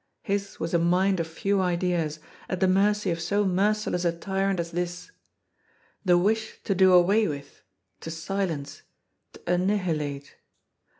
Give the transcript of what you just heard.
His was a mind of few ideas, at the mercy of so merciless a tyrant as this. The wish to do away with, to silence, to annihilate.